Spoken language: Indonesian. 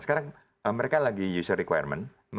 sekarang mereka lagi user requirement